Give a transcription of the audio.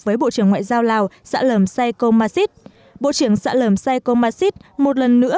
với bộ trưởng ngoại giao lào sạ lầm sai công ma xít bộ trưởng sạ lầm sai công ma xít một lần nữa